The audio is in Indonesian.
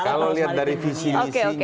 kalau lihat dari visi misinya